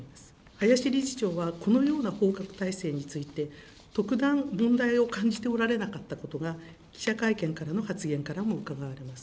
林理事長は、このような報告体制について、特段、問題を感じておられなかったことが、記者会見からの発言からもうかがわれます。